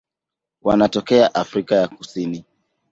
Wanatokea Afrika ya Kusini.